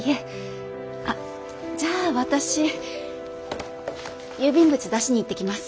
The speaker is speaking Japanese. あっじゃあ私郵便物出しに行ってきます。